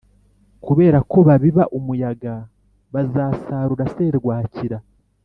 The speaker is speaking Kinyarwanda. Kubera ko babiba umuyaga bazasarura serwakira